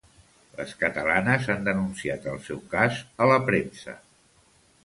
Les catalanes han denunciat el seu cas a la premsa